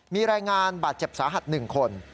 มีรายงานบาดเจ็บสาหัส๑คน